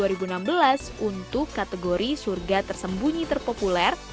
indonesia dua ribu enam belas untuk kategori surga tersembunyi terpopuler